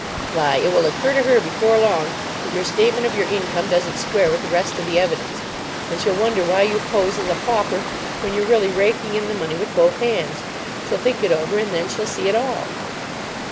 "Why, it will occur to her before long that your statement of your income doesn't square with the rest of the evidence; and she'll wonder why you pose as a pauper when you're really raking in the money with both hands. She'll think it over, and then she'll see it all."